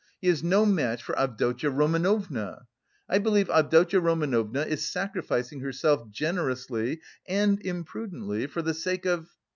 He is no match for Avdotya Romanovna. I believe Avdotya Romanovna is sacrificing herself generously and imprudently for the sake of...